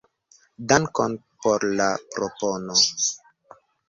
Dankon por la propono.